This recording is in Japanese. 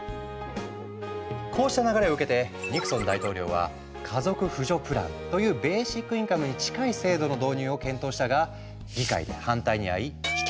こうした流れを受けてニクソン大統領は「家族扶助プラン」というベーシックインカムに近い制度の導入を検討したが議会で反対にあい否決。